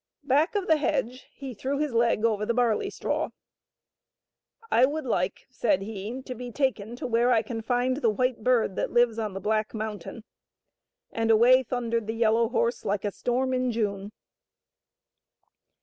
Back of the hedge he threw his leg over the barley straw. " I would like," said he, " to be taken to where I can find the White Bird that lives on the black mountain;" and away thundered the yellow horse, like a storm in June.